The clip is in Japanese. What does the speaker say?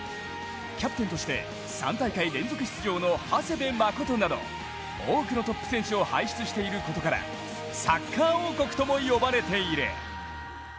キャプテンとして３大会連続出場の長谷部誠など、多くのトップ選手を輩出していることからサッカー王国とも呼ばれている。